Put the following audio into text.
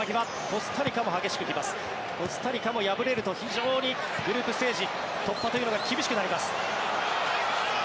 コスタリカも敗れると非常にグループステージ突破が厳しくなります。